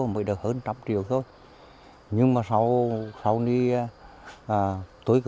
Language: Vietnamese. mỗi năm cho thu nhập gần một tỷ đồng